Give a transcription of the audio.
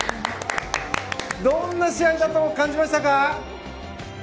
どんな試合だと感じましたか？